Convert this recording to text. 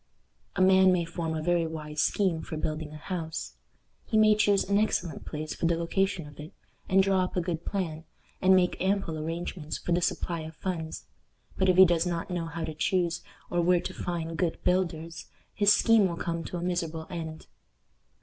A man may form a very wise scheme for building a house. He may choose an excellent place for the location of it, and draw up a good plan, and make ample arrangements for the supply of funds, but if he does not know how to choose, or where to find good builders, his scheme will come to a miserable end.